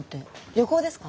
旅行ですか？